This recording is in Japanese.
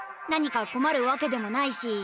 何かこまるわけでもないし。